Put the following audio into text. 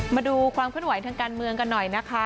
มาดูความเคลื่อนไหวทางการเมืองกันหน่อยนะคะ